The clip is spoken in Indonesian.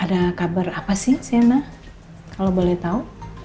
ada kabar apa sih sena kalau boleh tahu